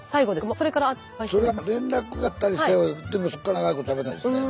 それからまあ連絡があったりしてでもそっから長いことしゃべってないですね